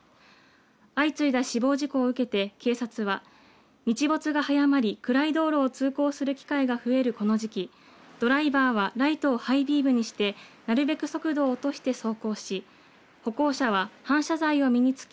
相次いだ死亡事故を受けて警察は日没が早まり、暗い道路を通行する機会が増えるこの時期ドライバーはライトをハイビームにしてなるべく速度を落として走行し歩行者は反射材を身につけ